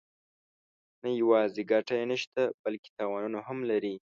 نه یوازې ګټه یې نشته بلکې تاوانونه هم لري.